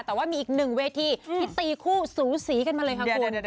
แต่ว่ามีอีกหนึ่งเวทีที่ตีคู่สูสีกันมาเลยค่ะคุณ